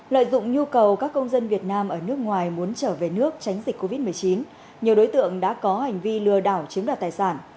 lợi dụng nhu cầu các công dân việt nam ở nước ngoài muốn trở về nước tránh dịch covid một mươi chín nhiều đối tượng đã có hành vi lừa đảo chiếm đoạt tài sản